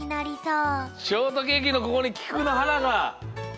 ショートケーキのここにきくのはなが。